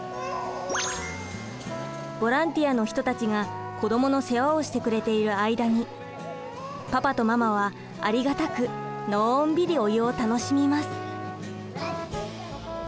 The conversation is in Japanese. ボランティアの人たちが子どもの世話をしてくれている間にパパとママはありがたくのんびりお湯を楽しみます。